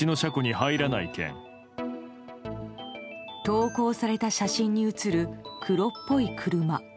投稿された写真に写る黒っぽい車。